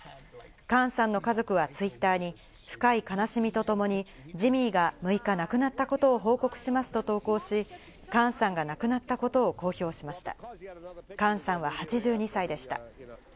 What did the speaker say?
カーンさんの家族はＴｗｉｔｔｅｒに深い悲しみとともにジミーが６日、亡くなったことを報告しますと投稿し、カーンさんが亡くなったことを公表しました。